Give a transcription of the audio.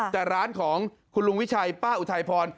แต่ร้านของคุณลุงวิชัยป้าอุทัยพร